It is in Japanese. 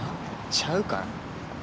ちゃうから。